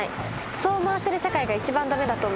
そう思わせる社会が一番駄目だと思います。